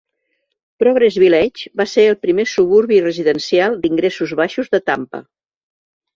Progress Village va ser el primer suburbi residencial d'ingressos baixos de Tampa.